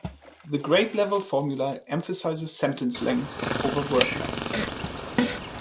The grade level formula emphasises sentence length over word length.